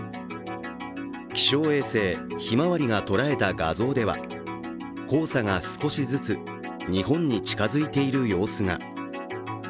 気象衛星「ひまわり」が捉えた画像では黄砂が少しずつ日本に近づいている様子が。